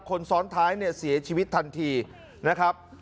คนซ้อนท้ายเนี่ยเสียชีวิตทันทีนะครับ